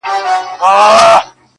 • له سرحد څخه یې حال دی را لېږلی -